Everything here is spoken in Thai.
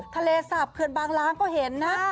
คาเลสับเผือนบางร้างก็เห็นนะ